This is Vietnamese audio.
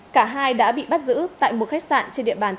cả hai đã bị bắt giữ tại một khách sạn trên địa bàn